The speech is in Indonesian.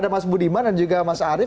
ada mas budiman dan juga mas arief